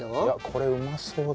これうまそうだな。